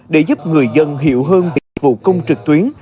để giúp người dân hiểu hơn việc vụ công trực tuyến